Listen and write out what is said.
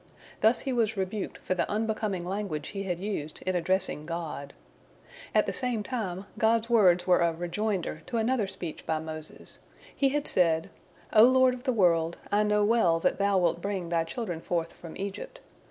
Thus he was rebuked for the unbecoming language he had used in addressing God. At the same time God's words were a rejoinder to another speech by Moses. He had said: "O Lord of the world, I know well that Thou wilt bring Thy children forth from Egypt.